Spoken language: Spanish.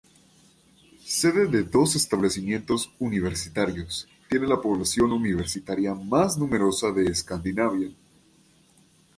Sede de dos establecimientos universitarios, tiene la población universitaria más numerosa de Escandinavia.